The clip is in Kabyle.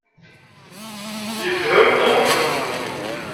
Yefhem Tom.